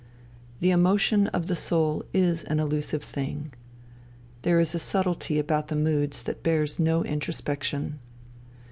The emotion of the soul is an elusive thing. There is a subtlety about the moods that bears no introspection.